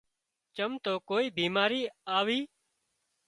چم تو ڪوئي ٻيماري آوي